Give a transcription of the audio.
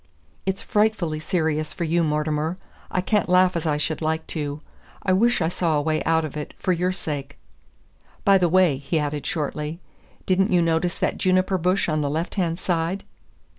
"It's frightfully serious for you, Mortimer. I can't laugh as I should like to. I wish I saw a way out of it, for your sake. By the way," he added shortly, "didn't you notice that juniper bush on the left hand side?"